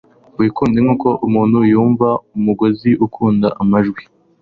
Wikunde nkuko umuntu yumva umugozi ukunda amajwi